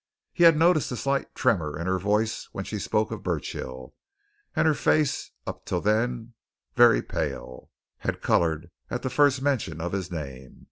He had noticed a slight tremor in her voice when she spoke of Burchill, and her face, up till then very pale, had coloured at the first mention of his name.